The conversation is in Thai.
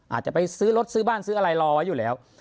อาจจะไปซื้อรถซื้อบ้านซื้ออะไรรอไว้อยู่แล้ว